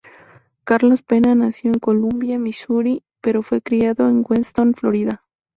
Carlos Pena nació en Columbia, Misuri, pero fue criado en Weston, Florida.